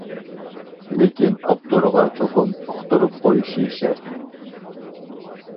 لېكىن، ئاپتورغا چوقۇم ئۇقتۇرۇپ قويۇشى شەرت.